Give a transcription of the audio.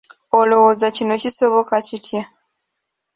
Olowooza kino kisoboka kitya?